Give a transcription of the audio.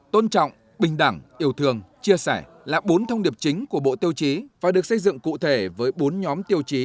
tôn trọng bình đẳng yêu thương chia sẻ là bốn thông điệp chính của bộ tiêu chí và được xây dựng cụ chí